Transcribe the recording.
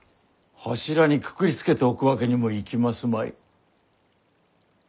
柱にくくりつけておくわけにもいきますまい。